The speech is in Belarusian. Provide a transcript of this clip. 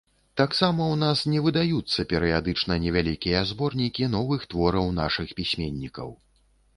Таксама ў нас не выдаюцца перыядычна невялікія зборнікі новых твораў нашых пісьменнікаў.